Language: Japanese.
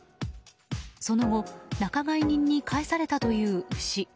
その後、仲買人に返されたという牛。